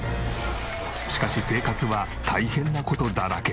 しかし生活は大変な事だらけ。